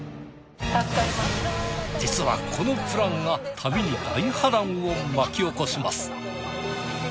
実はこのプランが旅に大波乱を巻き起こします。